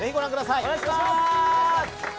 お願いします。